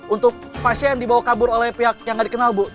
untuk pasien dibawa kabur oleh pihak yang tidak dikenal bu